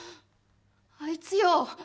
あいつよ。